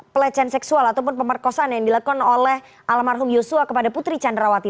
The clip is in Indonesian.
pelecehan seksual ataupun pemerkosaan yang dilakukan oleh almarhum yosua kepada putri candrawati